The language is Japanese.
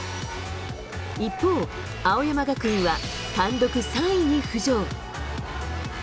一方、青山学院は単独３位に浮上。